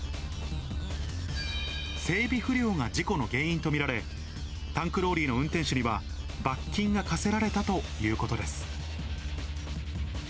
整備不良が事故の原因と見られ、タンクローリーの運転手には罰金が科せられたということです。